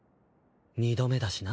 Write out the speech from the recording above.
二度目だしな。